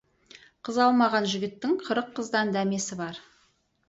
Қыз алмаған жігіттің қырық қыздан дәмесі бар.